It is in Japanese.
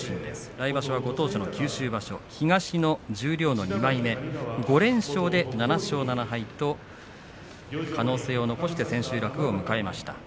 来場所ご当所九州場所東十両２枚目５連勝で７勝７敗とし可能性を残して千秋楽を迎えました。